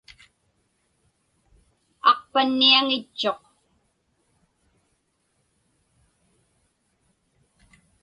Aqpanniaŋitchuq.